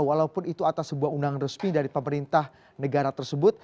walaupun itu atas sebuah undangan resmi dari pemerintah negara tersebut